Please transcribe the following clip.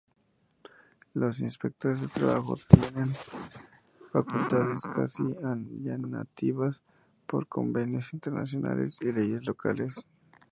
Los inspectores de trabajo tienen facultades cuasi-allanativas por Convenios Internacionales y leyes locales.